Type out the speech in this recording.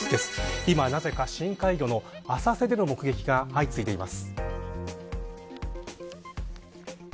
今なぜか、深海魚の浅瀬での目撃が相次いでいます。